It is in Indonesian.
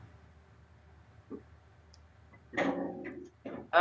eee untuk lahiran normal untuk tsumksang